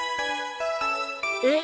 えっ⁉